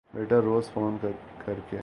بیٹا روز فون کر کے